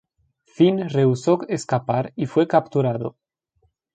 Finn rehusó escapar y fue capturado.